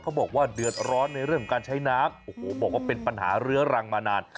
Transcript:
บอกว่าเดือดร้อนในเรื่องของการใช้น้ำโอ้โหบอกว่าเป็นปัญหาเรื้อรังมานาน